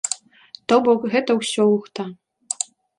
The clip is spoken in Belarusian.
То бок, гэта ўсё лухта.